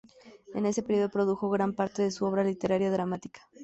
En ese período produjo gran parte de su obra literaria y dramática.